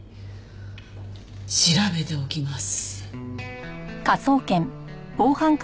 調べておきます。